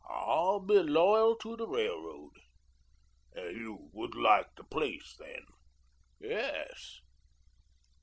"I'll be loyal to the railroad." "You would like the place then?" "Yes."